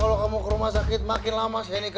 kalo kamu ke rumah sakit makin lama sih nikah